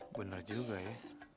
bener juga ya